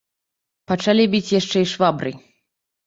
Пачалі біць яшчэ і швабрай.